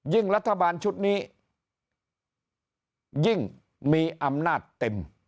รัฐบาลชุดนี้ยิ่งมีอำนาจเต็ม